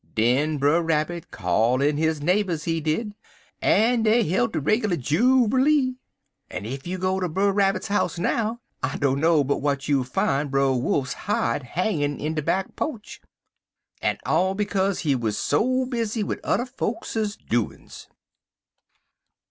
"Den Brer Rabbit call in his neighbors, he did, en dey hilt a reg'lar juberlee; en ef you go ter Brer Rabbit's house right now, I dunno but w'at you'll fine Brer Wolfs hide hangin' in de back po'ch, en all bekaze he wuz so bizzy wid udder fo'kses doin's."